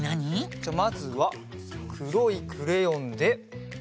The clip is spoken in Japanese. じゃあまずはくろいクレヨンで。